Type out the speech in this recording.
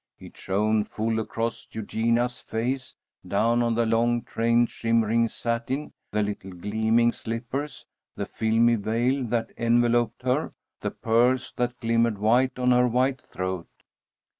It shone full across Eugenia's face, down on the long trained shimmering satin, the little gleaming slippers, the filmy veil that enveloped her, the pearls that glimmered white on her white throat.